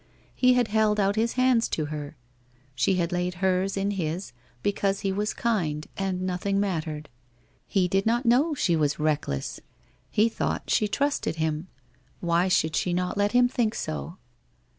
He had held out his hand to her. She had laid hers in his because he was kind, and nothing mattered. He did not know she was 276 WHITE ROSE OF WEARY LEAF reckless ; he thought she trusted him. Why should she not let him think so